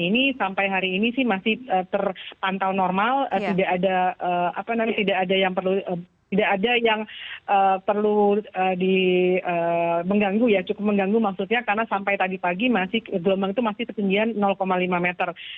ini sampai hari ini sih masih terpantau normal tidak ada yang perlu mengganggu maksudnya karena sampai tadi pagi masih gelombang itu masih ketinggian lima meter